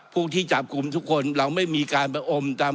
พวกที่จับกลุ่มทุกคนเราไม่มีการไปอมตำ